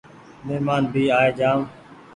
مهمان بي آئي جآم